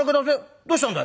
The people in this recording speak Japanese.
どうしたんだい？」。